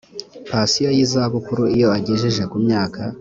pansiyo y izabukuru iyo agejeje ku myaka